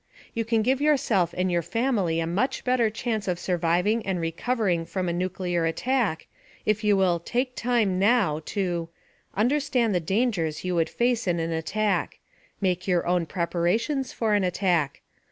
You can give yourself and your family a much better chance of surviving and recovering from a nuclear attack if you will take time now to: Understand the dangers you would face in an attack. Make your own preparations for an attack.